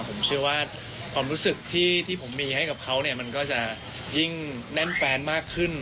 ผมเชื่อว่าความรู้สึกที่ผมมีให้กับเขาเนี่ยมันก็จะยิ่งแน่นแฟนมากขึ้น